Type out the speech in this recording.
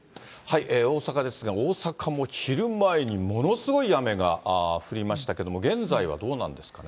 大阪ですが、大阪も昼前にものすごい雨が降りましたけれども、現在はどうなんですかね。